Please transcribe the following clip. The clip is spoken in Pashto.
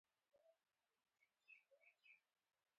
په لړۍ کي د اوبو د منظم مديريت يو بل مهم